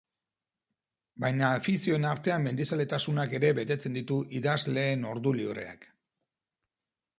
Baina afizioen artean mendizaletasunak ere betetzen ditu idazleen ordu libreak.